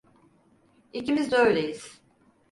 İkimiz de öyleyiz.